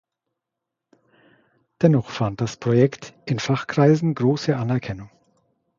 Dennoch fand das Projekt in Fachkreisen große Anerkennung.